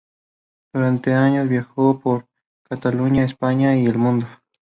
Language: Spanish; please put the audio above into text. Durante años viajó por Cataluña, España y el mundo.